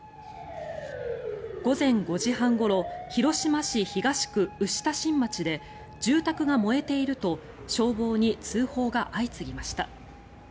午前５時半ごろ広島市東区牛田新町で住宅が燃えていると消防に通報が相次ぎました。